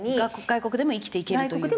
外国でも生きていける。